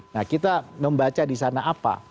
nah kita membaca di sana apa